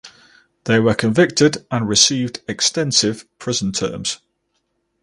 They were convicted and received extensive prison terms.